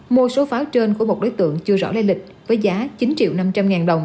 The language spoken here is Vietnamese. mua số pháo trên của một đối tượng chưa rõ lây lịch với giá chín năm trăm linh đồng